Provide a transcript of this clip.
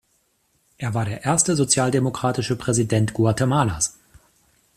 Er war der erste sozialdemokratische Präsident Guatemalas.